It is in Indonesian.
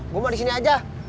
gue mau di sini aja